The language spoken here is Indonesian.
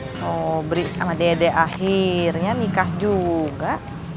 sobri sama dede akhirnya nikah juga